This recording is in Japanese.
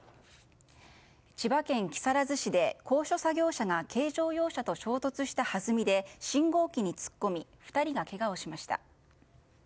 千葉県木更津市で高所作業車が軽乗用車と衝突したはずみで信号機に突っ込み２人がけがをしました。